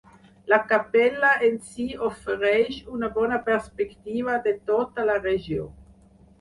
La capella en si ofereix una bona perspectiva de tota la regió.